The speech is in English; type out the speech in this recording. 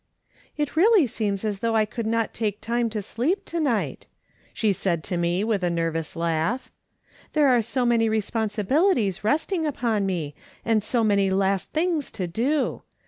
" It really seems as though I could not take time to sleep to night," she said to me with a nervous laugh. " There are so many responsibilities resting upon me, and so many last things to do